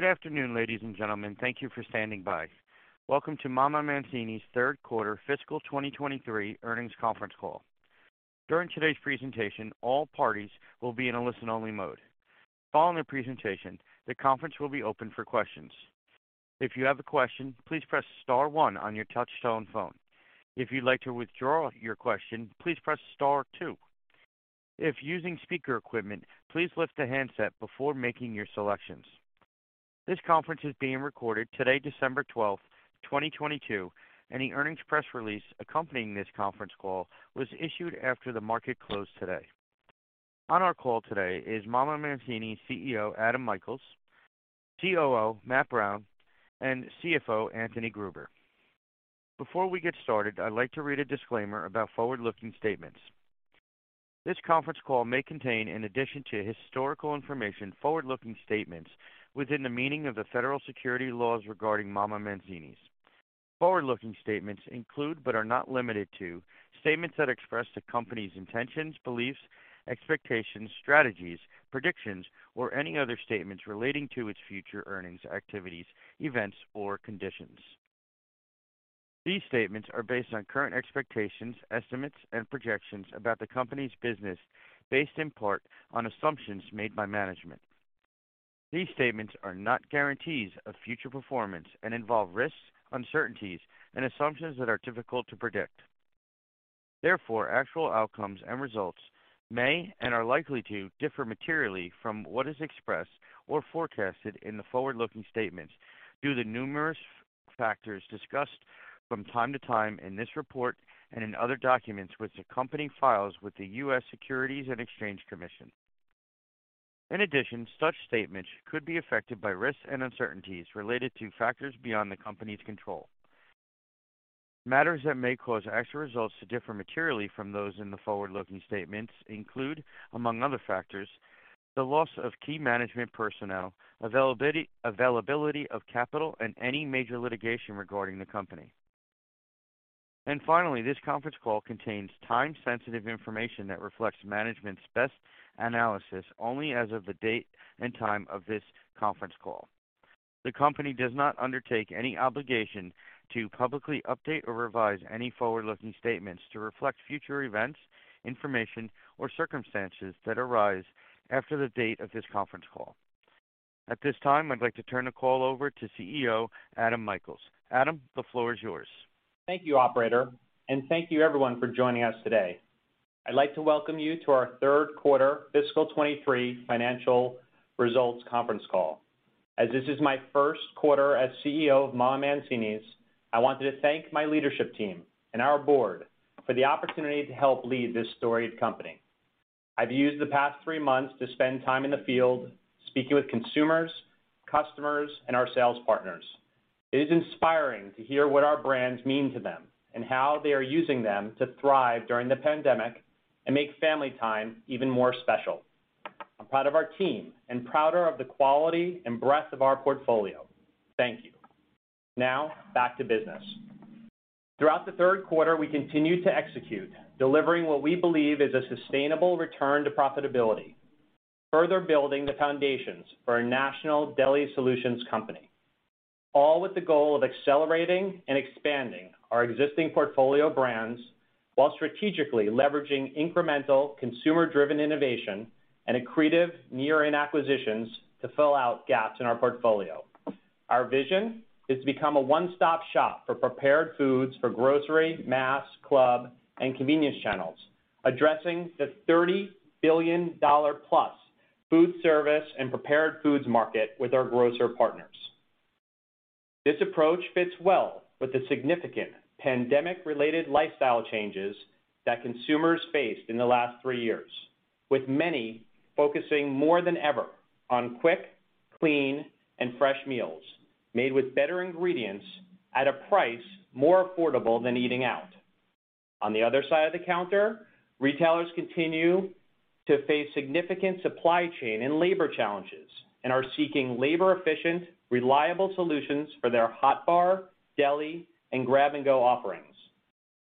Good afternoon, ladies and gentlemen. Thank you for standing by. Welcome to Mama Mancini Q3 fiscal 2023 earnings conference call. During today's presentation, all parties will be in a listen-only mode. Following the presentation, the conference will be open for questions. If you have a question, please press star 1 on your touch-tone phone. If you'd like to withdraw your question, please press star 2. If using speaker equipment, please lift the handset before making your selections. This conference is being recorded today, December 12, 2022, and the earnings press release accompanying this conference call was issued after the market closed today. On our call today is Mama Mancini CEO, Adam Michaels, COO, Matt Brown, and CFO, Anthony Gruber. Before we get started, I'd like to read a disclaimer about forward-looking statements. This conference call may contain, in addition to historical information, forward-looking statements within the meaning of the Federal Securities laws regarding Mama Mancini's. Forward-looking statements include, but are not limited to, statements that express the company's intentions, beliefs, expectations, strategies, predictions, or any other statements relating to its future earnings, activities, events, or conditions. These statements are based on current expectations, estimates, and projections about the company's business based in part on assumptions made by management. These statements are not guarantees of future performance and involve risks, uncertainties, and assumptions that are difficult to predict. Therefore, actual outcomes and results may and are likely to differ materially from what is expressed or forecasted in the forward-looking statements due to numerous factors discussed from time to time in this report and in other documents which the company files with the U.S. Securities and Exchange Commission. In addition, such statements could be affected by risks and uncertainties related to factors beyond the company's control. Matters that may cause actual results to differ materially from those in the forward-looking statements include, among other factors, the loss of key management personnel, availability of capital, and any major litigation regarding the company. Finally, this conference call contains time-sensitive information that reflects management's best analysis only as of the date and time of this conference call. The company does not undertake any obligation to publicly update or revise any forward-looking statements to reflect future events, information, or circumstances that arise after the date of this conference call. At this time, I'd like to turn the call over to CEO, Adam Michaels. Adam, the floor is yours. Thank you, operator, and thank you everyone for joining us today. I'd like to welcome you to our Q3 fiscal 23 financial results conference call. As this is my Q1 as CEO of Mama Mancini's, I want to thank my leadership team and our board for the opportunity to help lead this storied company. I've used the past three months to spend time in the field speaking with consumers, customers, and our sales partners. It is inspiring to hear what our brands mean to them and how they are using them to thrive during the pandemic and make family time even more special. I'm proud of our team and prouder of the quality and breadth of our portfolio. Thank you. Now, back to business. Throughout the Q3, we continued to execute, delivering what we believe is a sustainable return to profitability, further building the foundations for a national deli solutions company, all with the goal of accelerating and expanding our existing portfolio brands while strategically leveraging incremental consumer-driven innovation and accretive near-in acquisitions to fill out gaps in our portfolio. Our vision is to become a one-stop shop for prepared foods for grocery, mass, club, and convenience channels, addressing the $30 billion-plus food service and prepared foods market with our grocer partners. This approach fits well with the significant pandemic-related lifestyle changes that consumers faced in the last three years, with many focusing more than ever on quick, clean, and fresh meals made with better ingredients at a price more affordable than eating out. On the other side of the counter, retailers continue to face significant supply chain and labor challenges and are seeking labor-efficient, reliable solutions for their hot bar, deli, and grab-and-go offerings.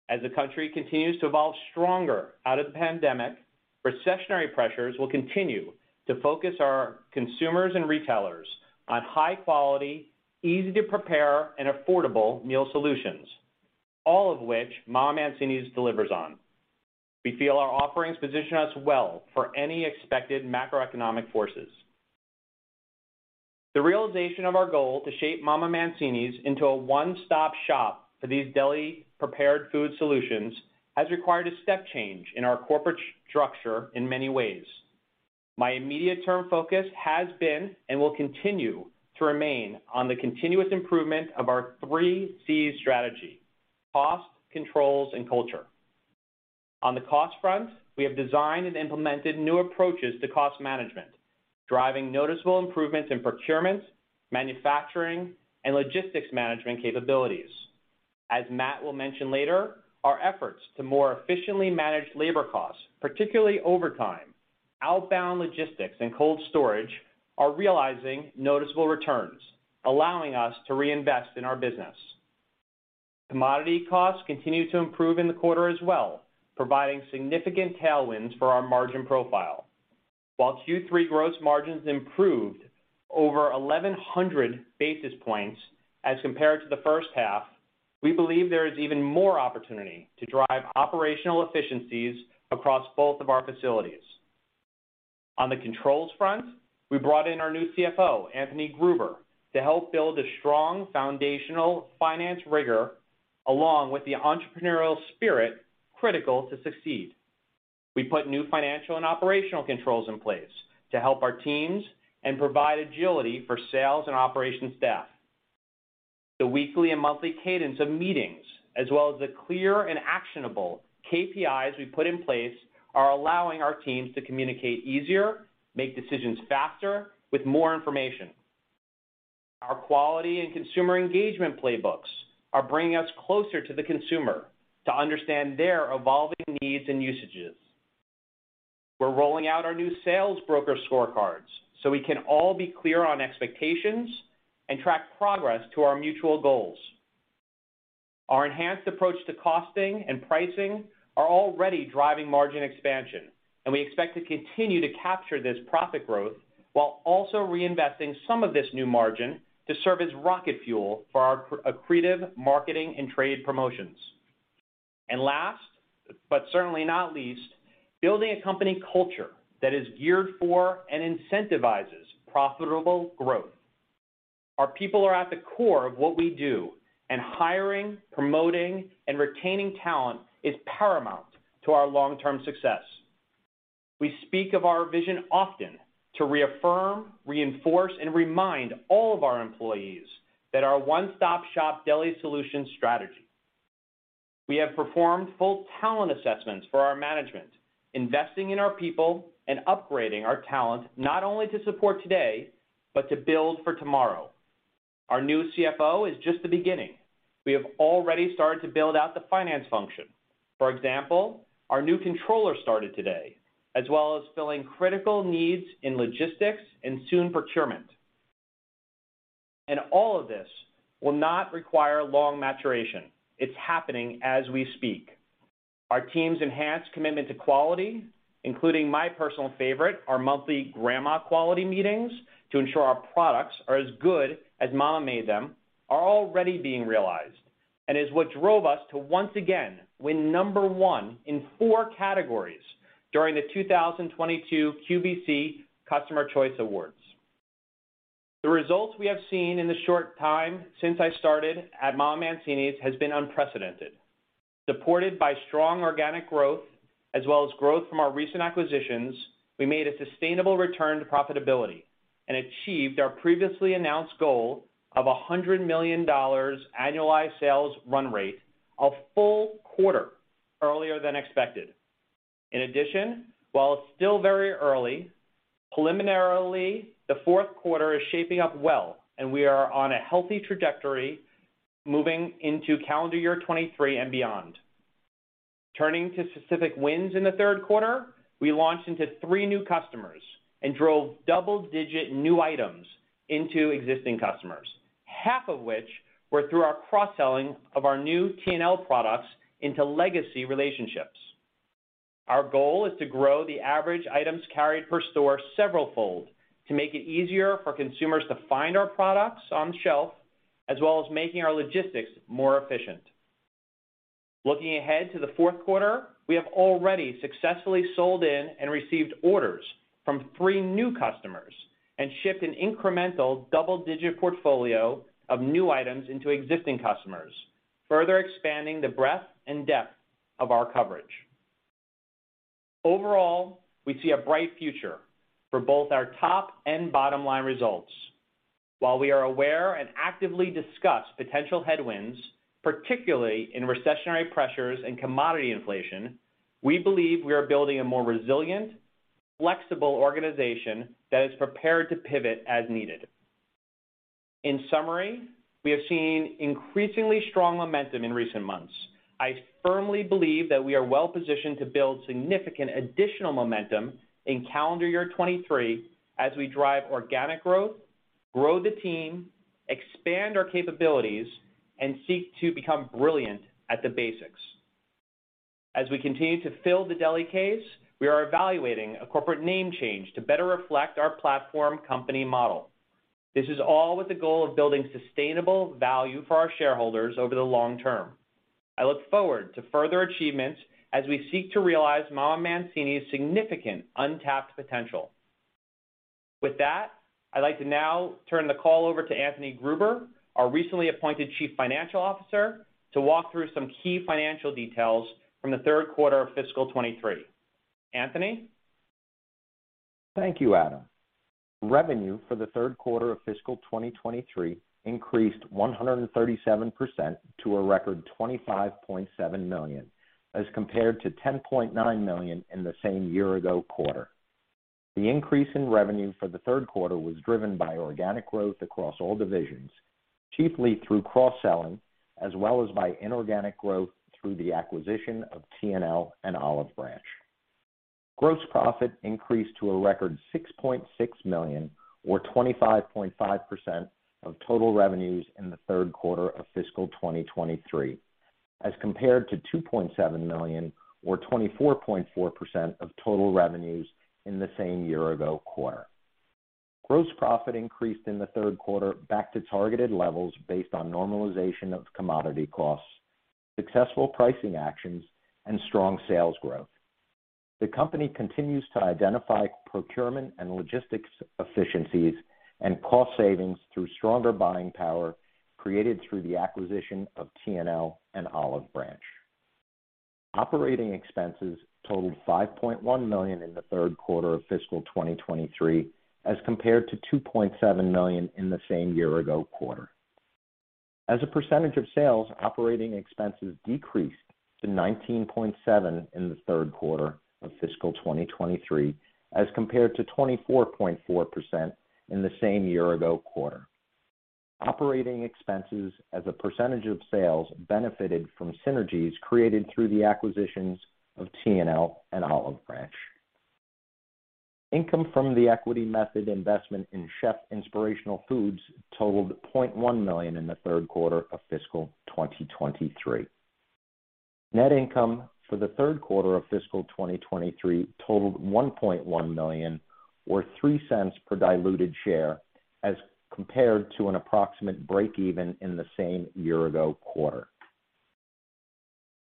As the country continues to evolve stronger out of the pandemic, recessionary pressures will continue to focus our consumers and retailers on high quality, easy-to-prepare, and affordable meal solutions, all of which Mama Mancini's delivers on. We feel our offerings position us well for any expected macroeconomic forces. The realization of our goal to shape Mama Mancini into a one-stop shop for these deli-prepared food solutions has required a step change in our corporate structure in many ways. My immediate term focus has been and will continue to remain on the continuous improvement of our three C strategy: cost, controls, and culture. On the cost front, we have designed and implemented new approaches to cost management, driving noticeable improvements in procurement, manufacturing, and logistics management capabilities. As Matt will mention later, our efforts to more efficiently manage labor costs, particularly overtime, outbound logistics and cold storage, are realizing noticeable returns, allowing us to reinvest in our business. Commodity costs continued to improve in the quarter as well, providing significant tailwinds for our margin profile. While Q3 gross margins improved over 1,100 basis points as compared to the first half, we believe there is even more opportunity to drive operational efficiencies across both of our facilities. On the controls front, we brought in our new CFO, Anthony Gruber, to help build a strong foundational finance rigor along with the entrepreneurial spirit critical to succeed. We put new financial and operational controls in place to help our teams and provide agility for sales and operations staff. The weekly and monthly cadence of meetings, as well as the clear and actionable KPIs we put in place, are allowing our teams to communicate easier, make decisions faster with more information. Our quality and consumer engagement playbooks are bringing us closer to the consumer to understand their evolving needs and usages. We're rolling out our new sales broker scorecards so we can all be clear on expectations and track progress to our mutual goals. Our enhanced approach to costing and pricing are already driving margin expansion, and we expect to continue to capture this profit growth while also reinvesting some of this new margin to serve as rocket fuel for our accretive marketing and trade promotions. Last, but certainly not least, building a company culture that is geared for and incentivizes profitable growth. Our people are at the core of what we do, and hiring, promoting, and retaining talent is paramount to our long-term success. We speak of our vision often to reaffirm, reinforce, and remind all of our employees that our one-stop-shop deli solutions strategy. We have performed full talent assessments for our management, investing in our people and upgrading our talent not only to support today, but to build for tomorrow. Our new CFO is just the beginning. We have already started to build out the finance function. For example, our new controller started today, as well as filling critical needs in logistics and soon procurement. All of this will not require long maturation. It's happening as we speak. Our team's enhanced commitment to quality, including my personal favorite, our monthly grandma quality meetings, to ensure our products are as good as Mom made them, are already being realized, and is what drove us to once again win number one in four categories during the 2022 QVC Customer Choice Food Awards. The results we have seen in the short time since I started at Mama Mancini's has been unprecedented. Supported by strong organic growth as well as growth from our recent acquisitions, we made a sustainable return to profitability and achieved our previously announced goal of $100 million annualized sales run rate a full quarter earlier than expected. In addition, while it's still very early, preliminarily, the Q4 is shaping up well, and we are on a healthy trajectory moving into calendar year 2023 and beyond. Turning to specific wins in the Q3, we launched into three new customers and drove double-digit new items into existing customers, half of which were through our cross-selling of our new T&L products into legacy relationships. Our goal is to grow the average items carried per store several fold to make it easier for consumers to find our products on the shelf, as well as making our logistics more efficient. Looking ahead to the Q4, we have already successfully sold in and received orders from three new customers and shipped an incremental double-digit portfolio of new items into existing customers, further expanding the breadth and depth of our coverage. Overall, we see a bright future for both our top and bottom line results. While we are aware and actively discuss potential headwinds, particularly in recessionary pressures and commodity inflation, we believe we are building a more resilient, flexible organization that is prepared to pivot as needed. In summary, we have seen increasingly strong momentum in recent months. I firmly believe that we are well-positioned to build significant additional momentum in calendar year 2023 as we drive organic growth, grow the team, expand our capabilities, and seek to become brilliant at the basics. As we continue to fill the deli case, we are evaluating a corporate name change to better reflect our platform company model. This is all with the goal of building sustainable value for our shareholders over the long term. I look forward to further achievements as we seek to realize Mama Mancini's significant untapped potential. I'd like to now turn the call over to Anthony Gruber, our recently appointed Chief Financial Officer, to walk through some key financial details from the Q3 of fiscal 2023. Anthony? Thank you, Adam. Revenue for the Q3 of fiscal 2023 increased 137% to a record $25.7 million, as compared to $10.9 million in the same year-ago quarter. The increase in revenue for the Q3 was driven by organic growth across all divisions, chiefly through cross-selling, as well as by inorganic growth through the acquisition of T&L and Olive Branch. Gross profit increased to a record $6.6 million, or 25.5% of total revenues in the Q3 of fiscal 2023, as compared to $2.7 million, or 24.4% of total revenues in the same year-ago quarter. Gross profit increased in the Q3 back to targeted levels based on normalization of commodity costs, successful pricing actions and strong sales growth. The company continues to identify procurement and logistics efficiencies and cost savings through stronger buying power created through the acquisition of T&L and Olive Branch. Operating expenses totaled $5.1 million in the Q3 of fiscal 2023, as compared to $2.7 million in the same year-ago quarter. As a percentage of sales, operating expenses decreased to 19.7% in the Q3 of fiscal 2023, as compared to 24.4% in the same year-ago quarter. Operating expenses as a percentage of sales benefited from synergies created through the acquisitions of T&L and Olive Branch. Income from the equity method investment in Chef Inspirational Foods totaled $0.1 million in the Q3 of fiscal 2023. Net income for the Q3 of fiscal 2023 totaled $1.1 million, or $0.03 per diluted share, as compared to an approximate break even in the same year-ago quarter.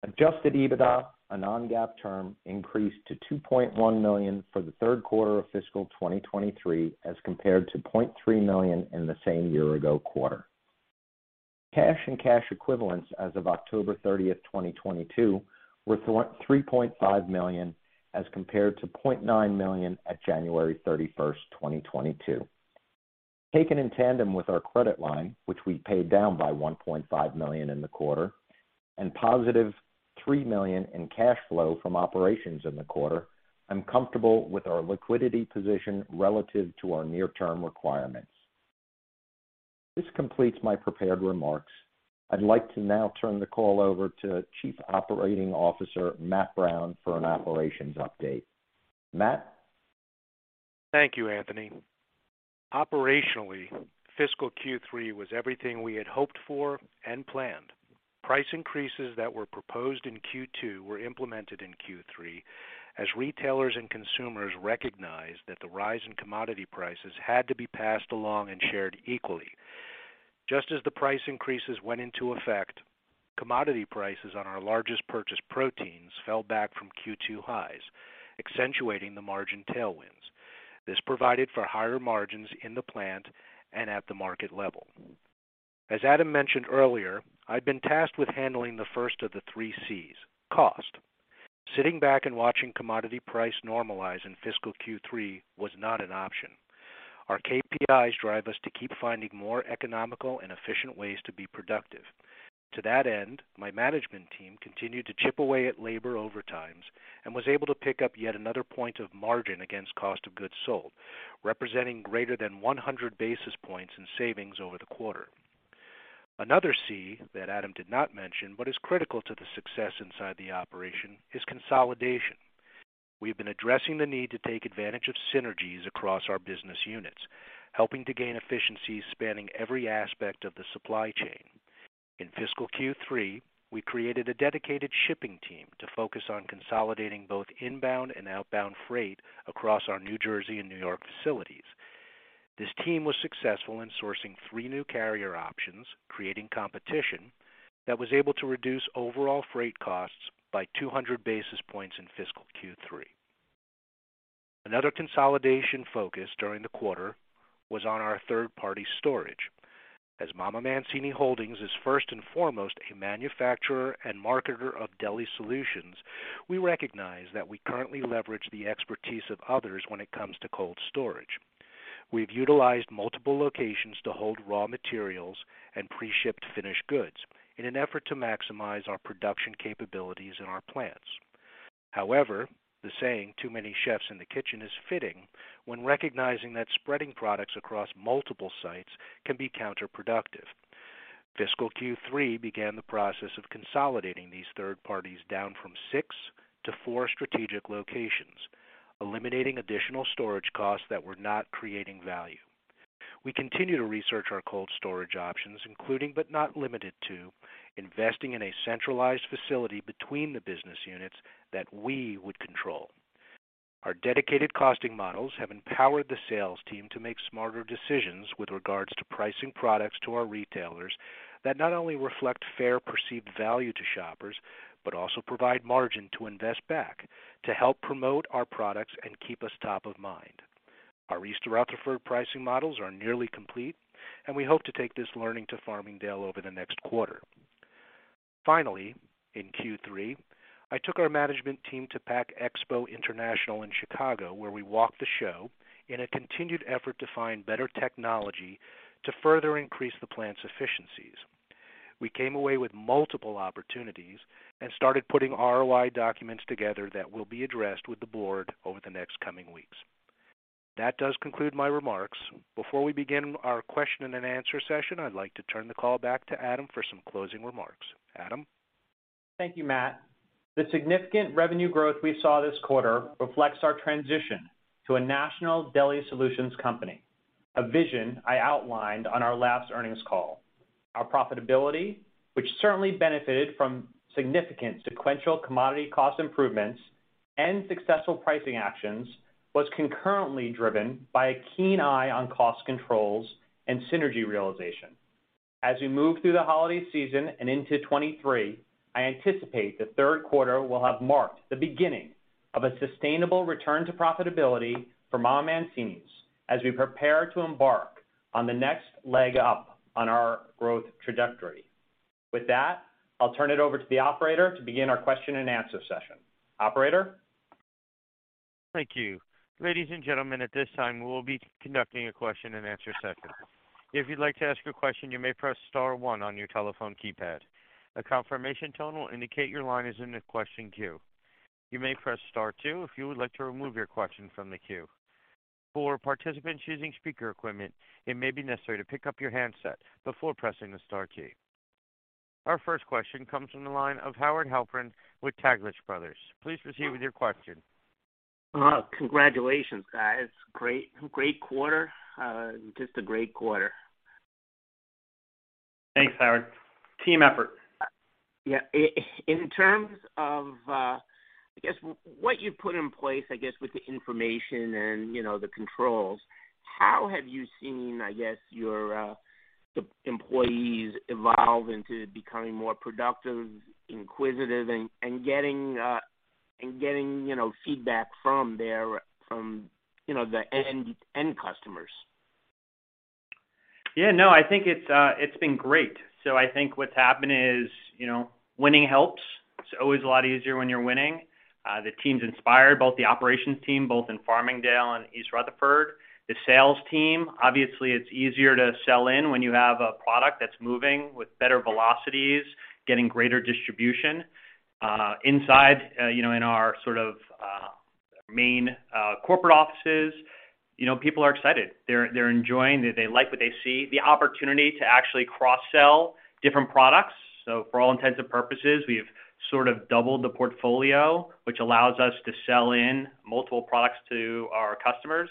Adjusted EBITDA, a non-GAAP term, increased to $2.1 million for the Q3 of fiscal 2023, as compared to $0.3 million in the same year-ago quarter. Cash and cash equivalents as of October 30, 2022 were $3.5 million, as compared to $0.9 million at January 31, 2022. Taken in tandem with our credit line, which we paid down by $1.5 million in the quarter, and positive $3 million in cash flow from operations in the quarter, I'm comfortable with our liquidity position relative to our near-term requirements. This completes my prepared remarks. I'd like to now turn the call over to Chief Operating Officer Matt Brown for an operations update. Matt? Thank you, Anthony. Operationally, fiscal Q3 was everything we had hoped for and planned. Price increases that were proposed in Q2 were implemented in Q3 as retailers and consumers recognized that the rise in commodity prices had to be passed along and shared equally. Just as the price increases went into effect, commodity prices on our largest purchased proteins fell back from Q2 highs, accentuating the margin tailwinds. This provided for higher margins in the plant and at the market level. As Adam mentioned earlier, I've been tasked with handling the first of the three Cs, cost. Sitting back and watching commodity price normalize in fiscal Q3 was not an option. Our KPIs drive us to keep finding more economical and efficient ways to be productive. To that end, my management team continued to chip away at labor overtimes and was able to pick up yet another point of margin against cost of goods sold, representing greater than 100 basis points in savings over the quarter. Another C that Adam did not mention, but is critical to the success inside the operation, is consolidation. We've been addressing the need to take advantage of synergies across our business units, helping to gain efficiencies spanning every aspect of the supply chain. In fiscal Q3, we created a dedicated shipping team to focus on consolidating both inbound and outbound freight across our New Jersey and New York facilities. This team was successful in sourcing three new carrier options, creating competition that was able to reduce overall freight costs by 200 basis points in fiscal Q3. Another consolidation focus during the quarter was on our third-party storage. As Mama Mancini's Holdings, Inc. is first and foremost a manufacturer and marketer of deli solutions, we recognize that we currently leverage the expertise of others when it comes to cold storage. We've utilized multiple locations to hold raw materials and pre-shipped finished goods in an effort to maximize our production capabilities in our plants. However, the saying, "Too many chefs in the kitchen," is fitting when recognizing that spreading products across multiple sites can be counterproductive. Fiscal Q3 began the process of consolidating these third parties down from six to four strategic locations, eliminating additional storage costs that were not creating value. We continue to research our cold storage options, including but not limited to investing in a centralized facility between the business units that we would control. Our dedicated costing models have empowered the sales team to make smarter decisions with regards to pricing products to our retailers that not only reflect fair perceived value to shoppers, but also provide margin to invest back to help promote our products and keep us top of mind. Our East Rutherford pricing models are nearly complete and we hope to take this learning to Farmingdale over the next quarter. In Q3, I took our management team to PACK EXPO International in Chicago, where we walked the show in a continued effort to find better technology to further increase the plant's efficiencies. We came away with multiple opportunities and started putting ROI documents together that will be addressed with the board over the next coming weeks. That does conclude my remarks. Before we begin our question and answer session, I'd like to turn the call back to Adam for some closing remarks. Adam? Thank you, Matt. The significant revenue growth we saw this quarter reflects our transition to a national deli solutions company, a vision I outlined on our last earnings call. Our profitability, which certainly benefited from significant sequential commodity cost improvements and successful pricing actions, was concurrently driven by a keen eye on cost controls and synergy realization. As we move through the holiday season and into 2023, I anticipate the Q3 will have marked the beginning of a sustainable return to profitability for Mama Mancini's as we prepare to embark on the next leg up on our growth trajectory. With that, I'll turn it over to the operator to begin our question-and-answer session. Operator? Thank you. Ladies and gentlemen, at this time, we will be conducting a question-and-answer session. If you'd like to ask a question, you may press star one on your telephone keypad. A confirmation tone will indicate your line is in the question queue. You may press star two if you would like to remove your question from the queue. For participants using speaker equipment, it may be necessary to pick up your handset before pressing the star key. Our first question comes from the line of Howard Halpern with Taglich Brothers. Please proceed with your question. Congratulations, guys. Great quarter. Just a great quarter. Thanks, Howard. Team effort. Yeah. In terms of, I guess what you put in place, I guess, with the information and, you know, the controls, how have you seen, I guess, your the employees evolve into becoming more productive, inquisitive, and getting, you know, feedback from their, you know, the end customers? Yeah, no, I think it's been great. I think what's happened is, you know, winning helps. It's always a lot easier when you're winning. The team's inspired, both the operations team, both in Farmingdale and East Rutherford. The sales team, obviously, it's easier to sell in when you have a product that's moving with better velocities, getting greater distribution. Inside, you know, in our sort of, main, corporate offices, you know, people are excited. They're enjoying. They like what they see. The opportunity to actually cross-sell different products. For all intents and purposes, we've sort of doubled the portfolio, which allows us to sell in multiple products to our customers.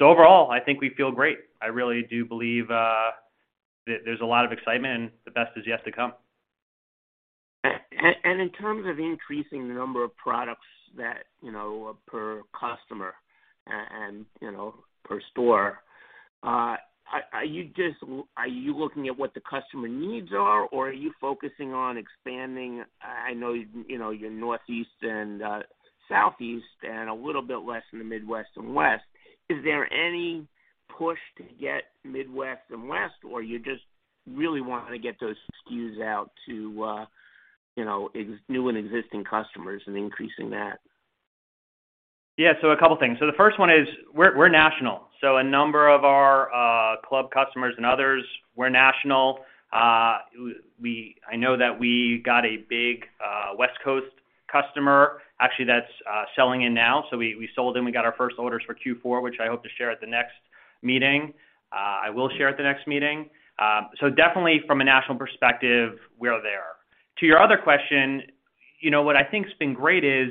Overall, I think we feel great. I really do believe, there's a lot of excitement, and the best is yet to come. In terms of increasing the number of products that, you know, per customer, and, you know, per store, are you looking at what the customer needs are, or are you focusing on expanding, I know, you're Northeast and Southeast and a little bit less in the Midwest and West? Is there any push to get Midwest and West, or you just really wanting to get those SKUs out to, you know, new and existing customers and increasing that? A couple things. The first one is we're national. A number of our club customers and others were national. I know that we got a big West Coast customer, actually that's selling in now. We sold and we got our first orders for Q4, which I hope to share at the next meeting. I will share at the next meeting. Definitely from a national perspective, we're there. To your other question, you know, what I think has been great is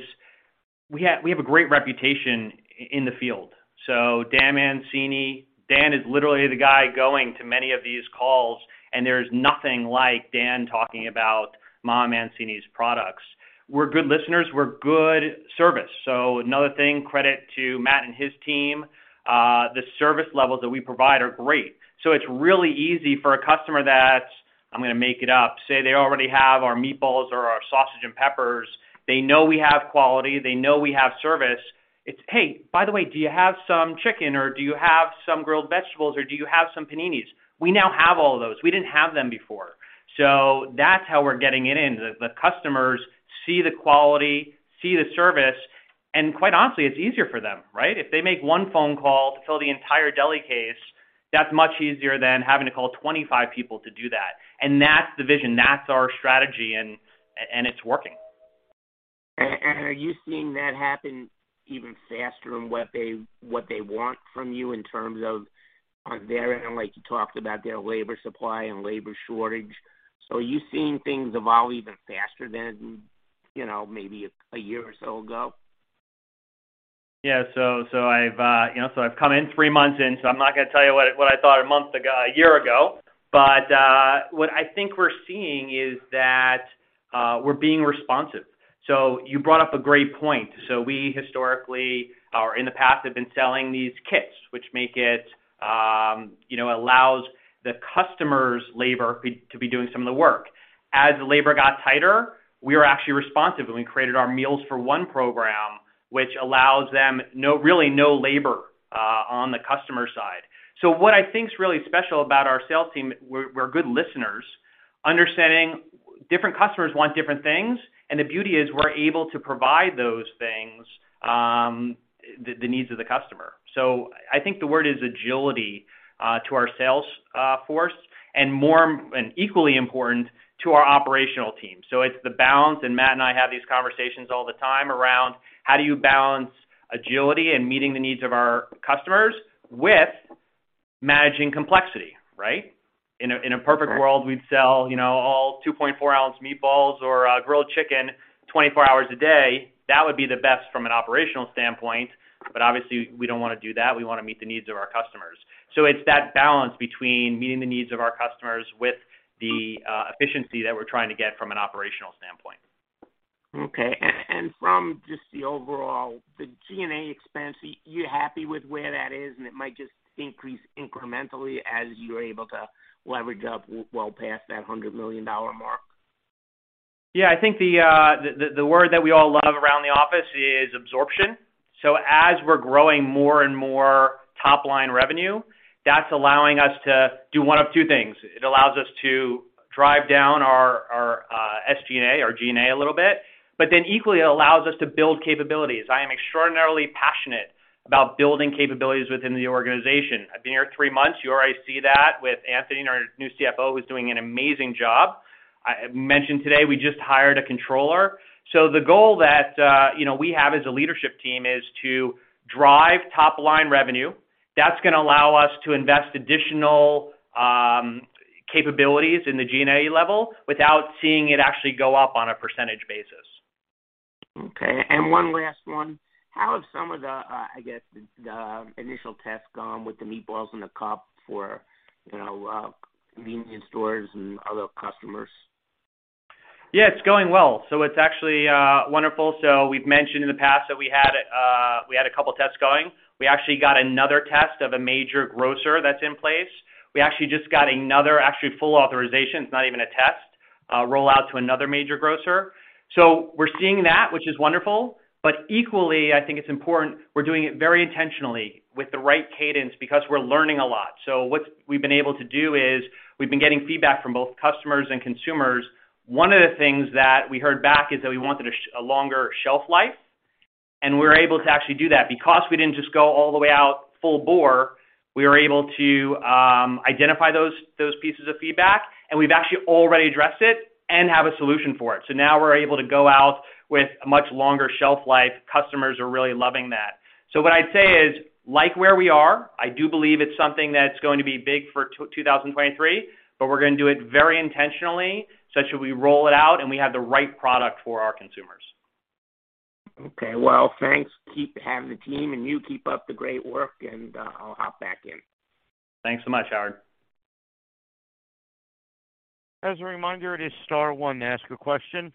we have a great reputation in the field. Dan Mancini, Dan is literally the guy going to many of these calls, and there's nothing like Dan talking about Mama Mancini's products. We're good listeners. We're good service. Another thing, credit to Matt and his team, the service levels that we provide are great. It's really easy for a customer that's, I'm going to make it up, say they already have our meatballs or our sausage and peppers. They know we have quality. They know we have service. It's, "Hey, by the way, do you have some chicken or do you have some grilled vegetables or do you have some paninis?" We now have all of those. We didn't have them before. That's how we're getting it in. The customers see the quality, see the service, and quite honestly, it's easier for them, right? If they make 1 phone call to fill the entire deli case, that's much easier than having to call 25 people to do that. That's the vision, that's our strategy, and it's working. Are you seeing that happen even faster in what they want from you in terms of on their end, like you talked about their labor supply and labor shortage? Are you seeing things evolve even faster than, you know, maybe a year or so ago? Yeah. I've, you know, I've come in 3 months in, I'm not gonna tell you what I thought a year ago. What I think we're seeing is that we're being responsive. You brought up a great point. We historically or in the past have been selling these kits which make it, you know, allows the customer's labor to be doing some of the work. As labor got tighter, we were actually responsive, and we created our Meals for One program, which allows them really no labor on the customer side. What I think is really special about our sales team, we're good listeners, understanding different customers want different things, and the beauty is we're able to provide those things, the needs of the customer. I think the word is agility to our sales force and equally important to our operational team. It's the balance, and Matt and I have these conversations all the time around how do you balance agility and meeting the needs of our customers with managing complexity, right? In a perfect world, we'd sell, you know, all 2.4 ounce meatballs or grilled chicken 24 hours a day. That would be the best from an operational standpoint. Obviously, we don't wanna do that. We wanna meet the needs of our customers. It's that balance between meeting the needs of our customers with the efficiency that we're trying to get from an operational standpoint. Okay. From just the overall, the G&A expense, you're happy with where that is, and it might just increase incrementally as you're able to leverage up well past that $100 million mark? I think the word that we all love around the office is absorption. As we're growing more and more top-line revenue, that's allowing us to do one of two things. It allows us to drive down our SG&A or G&A a little bit, but then equally, it allows us to build capabilities. I am extraordinarily passionate about building capabilities within the organization. I've been here three months. You already see that with Anthony, our new CFO, who's doing an amazing job. I mentioned today we just hired a controller. The goal that, you know, we have as a leadership team is to drive top line revenue. That's gonna allow us to invest additional capabilities in the G&A level without seeing it actually go up on a percentage basis. Okay. One last one. How have some of the, I guess the initial tests gone with the meatballs in the cup for, you know, convenience stores and other customers? It's going well. It's actually wonderful. We've mentioned in the past that we had a couple tests going. We actually got another test of a major grocer that's in place. We actually just got another actually full authorization. It's not even a test rollout to another major grocer. We're seeing that, which is wonderful. Equally, I think it's important, we're doing it very intentionally with the right cadence because we're learning a lot. What we've been able to do is we've been getting feedback from both customers and consumers. One of the things that we heard back is that we wanted a longer shelf life, and we're able to actually do that. We didn't just go all the way out full bore, we were able to identify those pieces of feedback, and we've actually already addressed it and have a solution for it. Now we're able to go out with a much longer shelf life. Customers are really loving that. What I'd say is, like where we are, I do believe it's something that's going to be big for 2023. We're gonna do it very intentionally, such that we roll it out and we have the right product for our consumers. Okay. Well, thanks. Keep having the team, and you keep up the great work, and, I'll hop back in. Thanks so much, Howard. As a reminder, it is star one to ask a question.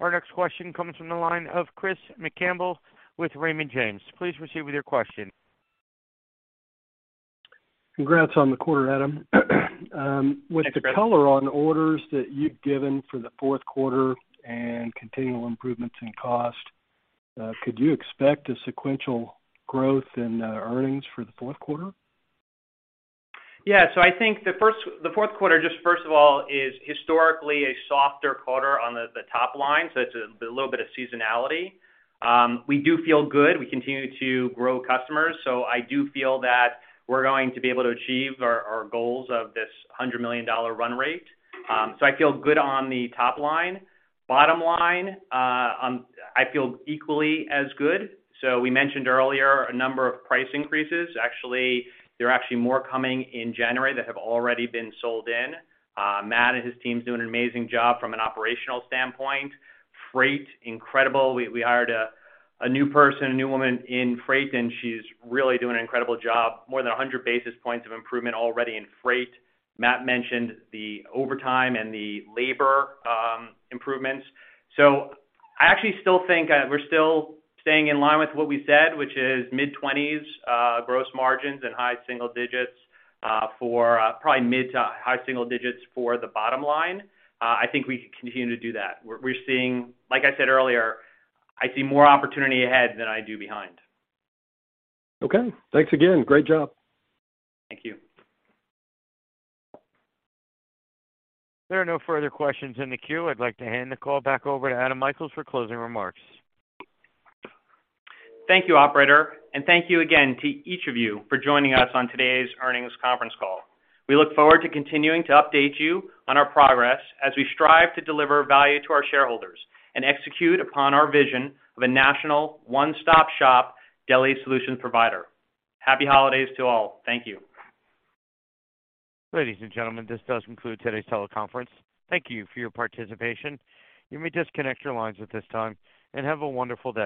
Our next question comes from the line of Chris McCampbell with Raymond James. Please proceed with your question. Congrats on the quarter, Adam. Thanks, Chris. With the color on orders that you've given for the Q4 and continual improvements in cost, could you expect a sequential growth in earnings for the Q4? Yeah. I think the Q4, just first of all, is historically a softer quarter on the top line, so it's a little bit of seasonality. We do feel good. We continue to grow customers, so I do feel that we're going to be able to achieve our goals of this $100 million run rate. I feel good on the top line. Bottom line, I feel equally as good. We mentioned earlier a number of price increases. Actually, there are actually more coming in January that have already been sold in. Matt and his team's doing an amazing job from an operational standpoint. Freight, incredible. We hired a new person, a new woman in freight, and she's really doing an incredible job. More than 100 basis points of improvement already in freight. Matt mentioned the overtime and the labor improvements. I actually still think we're still staying in line with what we said, which is mid-20s gross margins and high single digits for probably mid to high single digits for the bottom line. I think we can continue to do that. We're seeing. Like I said earlier, I see more opportunity ahead than I do behind. Okay. Thanks again. Great job. Thank you. There are no further questions in the queue. I'd like to hand the call back over to Adam Michaels for closing remarks. Thank you, operator, and thank you again to each of you for joining us on today's earnings conference call. We look forward to continuing to update you on our progress as we strive to deliver value to our shareholders and execute upon our vision of a national one-stop-shop deli solutions provider. Happy holidays to all. Thank you. Ladies and gentlemen, this does conclude today's teleconference. Thank you for your participation. You may disconnect your lines at this time. Have a wonderful day.